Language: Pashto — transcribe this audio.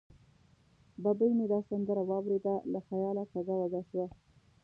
ببۍ مې دا سندره واورېده، له خیاله کږه وږه شوه.